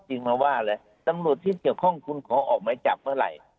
จริงมาว่าอะไรตำรวจที่เกี่ยวข้องคุณขอออกหมายจับเมื่อไหร่